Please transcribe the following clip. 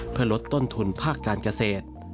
เพื่อลดต้นทุนภาคการเกษตร